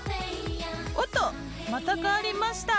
おっとまた変わりました！